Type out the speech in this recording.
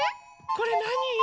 これなに？